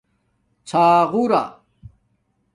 ݼاغݸرا